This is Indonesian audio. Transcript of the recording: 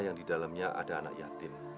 yang didalamnya ada anak yatim